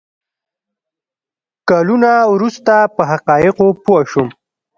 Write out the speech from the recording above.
کلونه وروسته په حقایقو پوه شوم.